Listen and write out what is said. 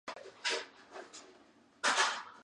ふく